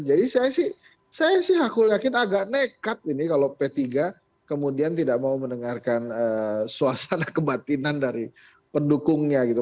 jadi saya sih saya sih aku yakin agak nekat ini kalau p tiga kemudian tidak mau mendengarkan suasana kebatinan dari pendukungnya gitu